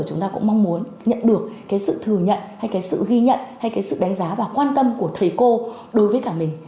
chúng ta cũng mong muốn nhận được cái sự thừa nhận hay cái sự ghi nhận hay cái sự đánh giá và quan tâm của thầy cô đối với cả mình